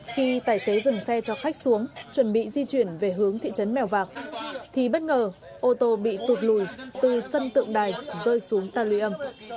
khi tài xế dừng xe cho khách xuống chuẩn bị di chuyển về hướng thị trấn mèo vạc thì bất ngờ ô tô bị tụt lùi từ sân tượng đài rơi xuống ta lùi âm